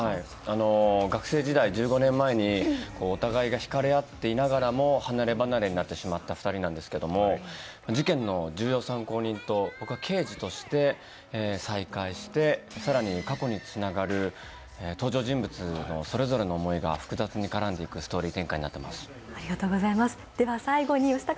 学生時代、１５年前にお互いが引かれ合っていながらも離ればなれになってしまった２人なんですけど事件の重要参考人と、僕は刑事として再会して、更に過去につながる登場人物のそれぞれの思いが複雑に絡んでいくストーリー展開になっていきます。